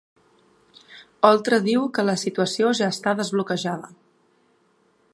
Oltra diu que la situació ja està desbloquejada